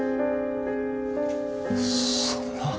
そんな。